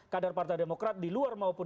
kader partai demokrat di luar maupun